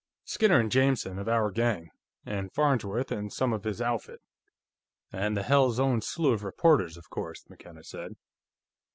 "Skinner and Jameson, of our gang. And Farnsworth, and some of his outfit. And the hell's own slew of reporters, of course," McKenna said.